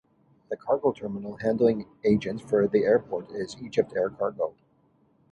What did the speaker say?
The cargo terminal handling agent for the airport is EgyptAir Cargo.